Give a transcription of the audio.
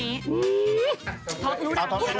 ท้อครู้ทำมั้ยท้อครู้ทำมั้ย